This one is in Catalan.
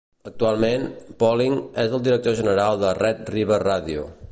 Actualment, Poling és el director general de Red River Radio.